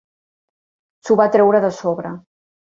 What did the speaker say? S'ho va treure de sobre.